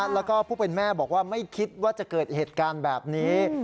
แล้วก็ผู้เป็นแม่บอกว่าไม่คิดว่าจะเกิดเหตุการณ์แบบนี้